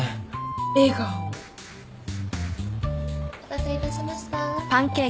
お待たせいたしました。